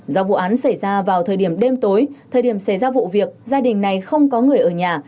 do vụ án xảy ra vào thời điểm đêm tối thời điểm xảy ra vụ việc gia đình này không có người ở nhà